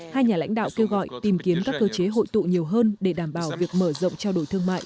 hai nhà lãnh đạo kêu gọi tìm kiếm các cơ chế hội tụ nhiều hơn để đảm bảo việc mở rộng trao đổi thương mại